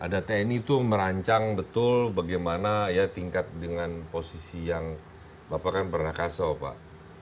ada tni itu merancang betul bagaimana ya tingkat dengan posisi yang bapak kan pernah kasau pak